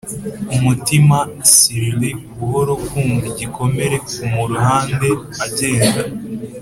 umutima! slyly, buhoro, kumva igikomere kumuruhande agenda